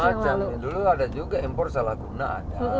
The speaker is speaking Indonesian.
ya macam macam dulu ada juga impor salah guna ada